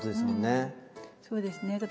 うんそうですね。